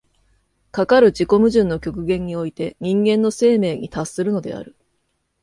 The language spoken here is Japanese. かかる自己矛盾の極限において人間の生命に達するのである。